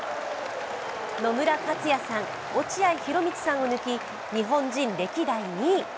野村克也さん、落合博満さんを抜き日本人歴代２位。